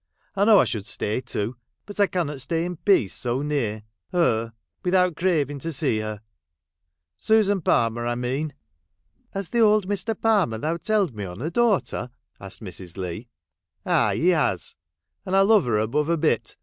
I know I should stay too, but I cannot stay in peace so near — her — without craving to see her — Susan Palmer I mean.' ' Has the old Mr. Palmer thou telled me on a daughter ?' asked Mrs. Leigh. ' Aye, he has. And I love her above a bit.